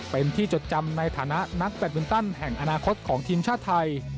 เป็นที่จดจำในฐานะนักแบตมินตันแห่งอนาคตของทีมชาติไทย